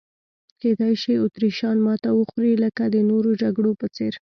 کېدای شي اتریشیان ماته وخوري لکه د نورو جګړو په څېر.